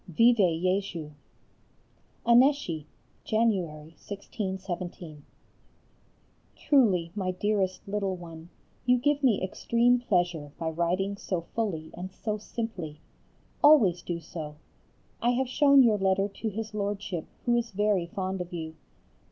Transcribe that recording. _ Vive [+] Jésus! ANNECY. January, 1617. Truly, my dearest little one, you give me extreme pleasure by writing so fully and so simply. Always do so. I have shown your letter to his Lordship, who is very fond of you.